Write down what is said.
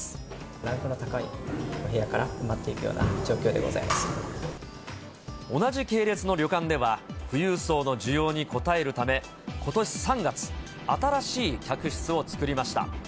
ランクの高いお部屋から埋ま同じ系列の旅館では、富裕層の需要に応えるため、ことし３月、新しい客室を作りました。